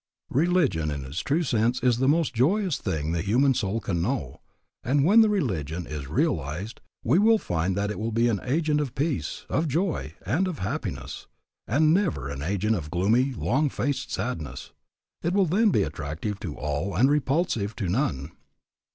Religion in its true sense is the most joyous thing the human soul can know, and when the real religion is realized, we will find that it will be an agent of peace, of joy, and of happiness, and never an agent of gloomy, long faced sadness. It will then be attractive to all and repulsive to none.